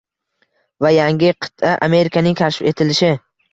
Va yangi qit’a — Amerikaning kashf etilishi